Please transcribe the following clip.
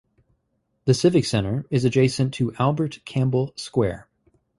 The civic centre is adjacent to Albert Campbell Square.